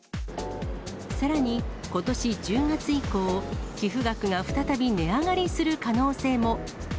さらに、ことし１０月以降、寄付額が再び値上がりする可能性も。